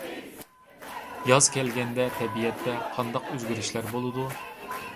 ياز كەلگەندە تەبىئەتتە قانداق ئۆزگىرىشلەر بولىدۇ؟